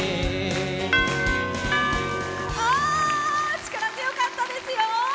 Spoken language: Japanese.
力強かったですよ。